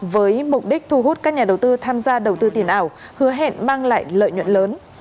với mục đích thu hút các nhà đầu tư tham gia đầu tư tiền ảo hứa hẹn mang lại lợi nhuận lớn